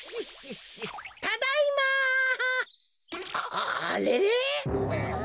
ああれっ？